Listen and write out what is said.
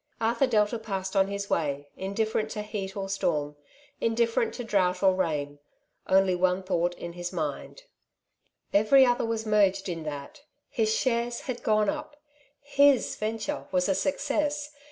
Arthur Delta passed on his way, indifferent to heat or storm, indifferent to drought or rain^ only one thought in his mind ; every other was merged in that — his shares had gone up ! hJis venture was a success